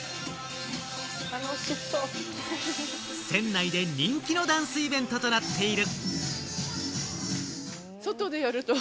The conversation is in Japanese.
船内で人気のダンスイベントとなっている。